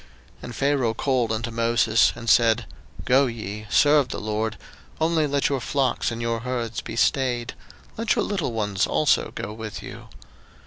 02:010:024 And Pharaoh called unto Moses, and said, Go ye, serve the LORD; only let your flocks and your herds be stayed: let your little ones also go with you.